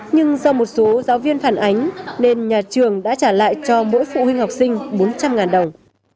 nhưng do một số giáo viên phản ánh nên nhà trường đã trả lại cho mỗi phụ huynh học sinh bốn trăm linh đồng